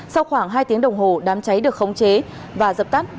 sau khoảng hai tiếng đồng hồ đám cháy được khống chế và dập tắt